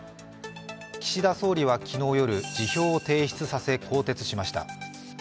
岸田総理は昨日夜、辞表を提出させ更迭しました。